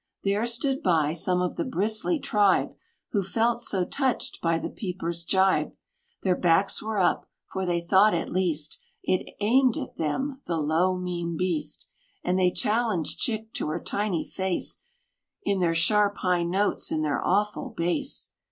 There stood by, some of the bristly tribe, Who felt so touched by the peeper's gibe, Their backs were up; for they thought, at least, It aimed at them the low, mean beast: And they challenged Chick to her tiny face, In their sharp, high notes, and their awful base.